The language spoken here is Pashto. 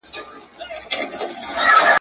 مشران د تاریخ مسیر بدلوي